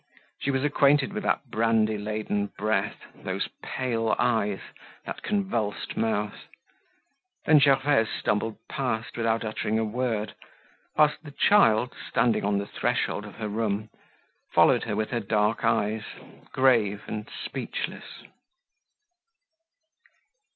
She was acquainted with that brandy laden breath, those pale eyes, that convulsed mouth. Then Gervaise stumbled past without uttering a word, whilst the child, standing on the threshold of her room, followed her with her dark eyes, grave and speechless.